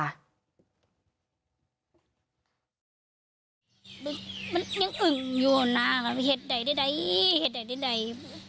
มันยังอึ่งอยู่หน้าค่ะเห็นใด